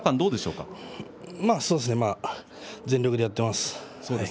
全力でやってます。